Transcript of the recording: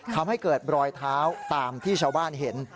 ทำให้เกิดรอยเท้าตามที่ชาวบ้านเห็น